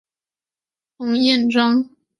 彭彦章。